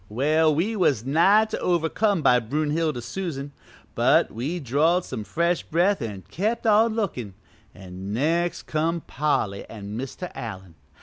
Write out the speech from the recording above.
"Well, we was nigh to overcome by Brunhilde Susan, but we drawed some fresh breath an' kept on lookin', an' next come Polly an' Mr. Allen.